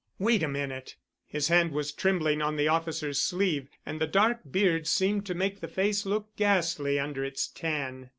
"Wait a minute——" His hand was trembling on the officer's sleeve and the dark beard seemed to make the face look ghastly under its tan.